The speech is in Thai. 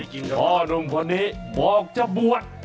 พ่อหนุ่มพอร์นิบอกจะบวช